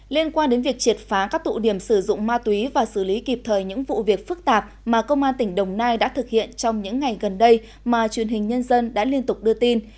liên quan đến việc triệt phá các tụ điểm sử dụng ma túy và xử lý kịp thời những vụ việc phức tạp mà công an tỉnh đồng nai đã thực hiện trong những ngày gần đây mà truyền hình nhân dân đã liên tục đưa tin